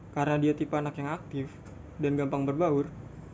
karena dia tipe anak yang aktif dan gampang berbaur